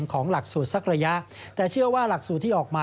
ของหลักสูตรสักระยะแต่เชื่อว่าหลักสูตรที่ออกมา